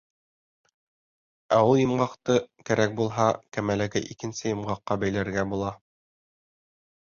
Ә ул йомғаҡты, кәрәк булһа, кәмәләге икенсе йомғаҡҡа бәйләргә була.